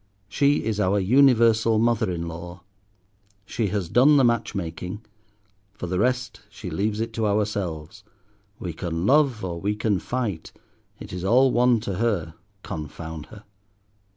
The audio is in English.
She is our universal mother in law. She has done the match making; for the rest, she leaves it to ourselves. We can love or we can fight; it is all one to her, confound her.